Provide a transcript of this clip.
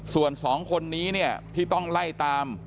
ส่วนสองคนนี้ที่ต้องไล่ตาม